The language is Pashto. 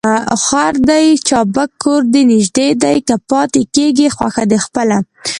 خر دي چابک کور دي نژدې دى ، که پاته کېږې خوښه دي خپله.